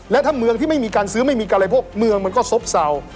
และถ้าเมืองที่ไม่มีการซื้อไม่มีการบริโภคเมืองมันก็ซบเศร้า